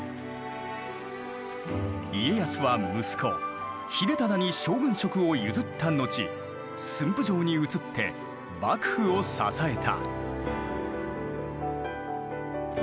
家康は息子秀忠に将軍職を譲った後駿府城に移って幕府を支えた。